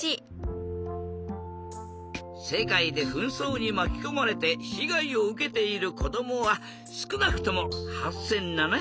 世界で紛争にまきこまれて被害を受けている子どもはすくなくとも８，７００万人。